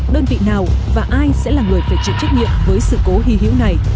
đơn vị nào và ai sẽ là người phải chịu trách nhiệm với sự cố hy hữu này